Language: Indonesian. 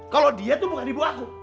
kalau dia itu bukan ibu aku